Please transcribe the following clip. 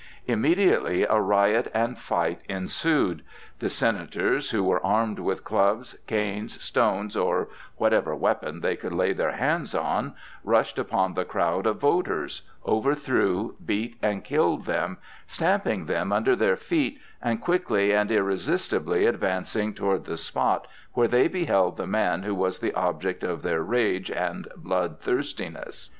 Immediately a riot and fight ensued. The Senators, who were armed with clubs, canes, stones, or whatever weapon they could lay their hands on, rushed upon the crowd of voters, overthrew, beat, and killed them, stamping them under their feet and quickly and irresistibly advancing toward the spot where they beheld the man who was the object of their rage and bloodthirstiness.